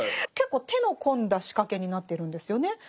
結構手の込んだ仕掛けになってるんですよね。